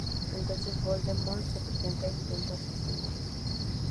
Entonces Voldemort se presenta e intenta asesinarlo.